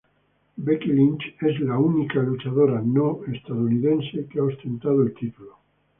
Becky Lynch es única luchadora no estadounidense que ha ostentado el título.